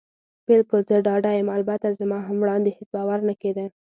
بلکل، زه ډاډه یم. البته زما هم وړاندې هېڅ باور نه کېده.